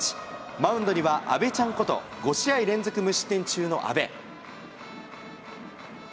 マウンドには、アベチャンこと５試合連続無失点中の阿部。